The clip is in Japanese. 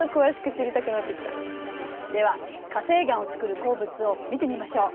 では火成岩をつくる鉱物を見てみましょう。